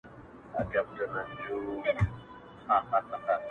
د چا د ويښ زړگي ميسج ننوت.